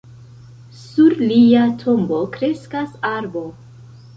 Sur lia tombo kreskas arbo.